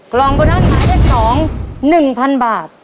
กล่องโบนัสหมายเลข๒๑๐๐๐บาท